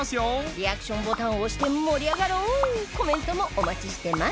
リアクションボタンを押して盛り上がろうコメントもお待ちしてます